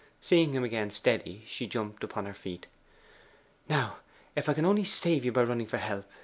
Seeing him again steady, she jumped upon her feet. 'Now, if I can only save you by running for help!